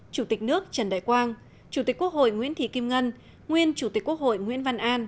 chủ tịch nước trần đại quang chủ tịch quốc hội nguyễn thị kim ngân nguyên chủ tịch quốc hội nguyễn văn an